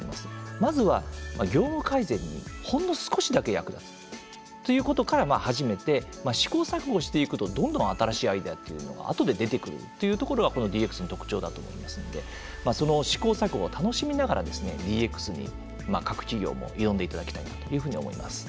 まずは業務改善にほんの少しだけ役立つということから始めて試行錯誤していくと、どんどん新しいアイデアというのがあとで出てくるというところはこのＤＸの特徴だと思いますのでその試行錯誤を楽しみながらＤＸに各企業も挑んでいただきたいなというふうに思います。